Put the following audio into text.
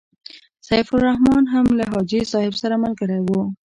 سیف الرحمن هم له حاجي صاحب سره ملګری وو.